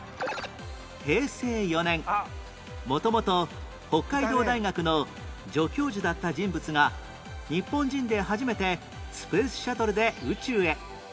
平成４年元々北海道大学の助教授だった人物が日本人で初めてスペースシャトルで宇宙へ